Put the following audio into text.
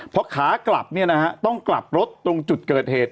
เพราะขากลับเนี่ยนะฮะต้องกลับรถตรงจุดเกิดเหตุ